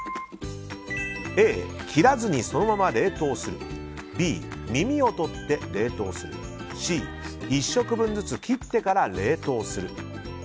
Ａ、切らずにそのまま冷凍するＢ、耳を取ってから冷凍するＣ、１食分ずつ切ってから冷凍する。